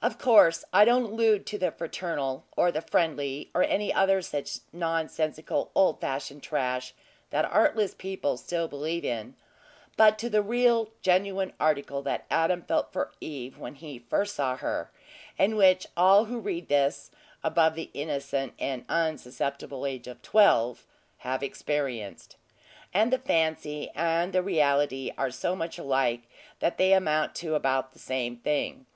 Of course, I don't allude to the fraternal or the friendly, or any other such nonsensical old fashioned trash that artless people still believe in, but to the real genuine article that Adam felt for Eve when he first saw her, and which all who read this above the innocent and unsusceptible age of twelve have experienced. And the fancy and the reality are so much alike, that they amount to about the same thing.